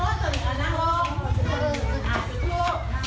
ลองเยี่ยมนั่งลงนั่งลง